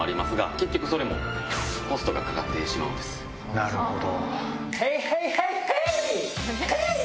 なるほど。